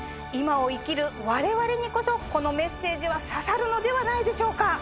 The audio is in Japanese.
今を生きる我々にこそこのメッセージは刺さるのではないでしょうか。